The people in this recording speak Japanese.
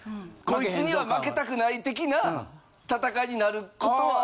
こいつには負けたくない的な闘いになることは。